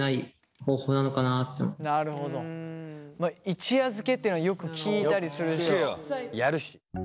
一夜漬けっていうのはよく聞いたりするし。